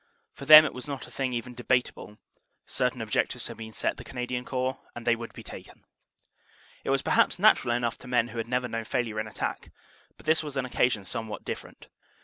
For them it was not a thing even debatable; certain objectives had been set the Canadian Corps and they would be taken. It was perhaps natural enough to men who had never known failure in attack, but this was an occasion somewhat different.